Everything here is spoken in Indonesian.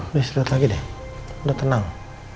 udah istirahat lagi deh udah tenang